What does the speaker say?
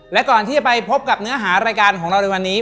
และก่อนที่จะไปพบกับเนื้อหารายการของเราในวันนี้